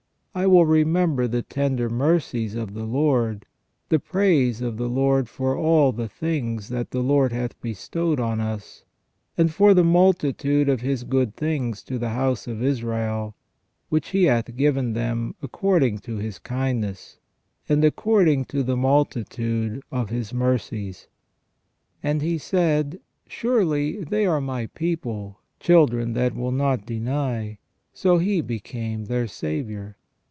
" I will remember the tender mercies of the Lord, the praise of the Lord for all the things that the Lord hath bestowed on us, and for the multitude of His good things to the house of Israel, which He hath given them according to His kindness, and according to the multitude of His mercies. " And He said : Surely they are My people, children that will not deny ; so He became their Saviour.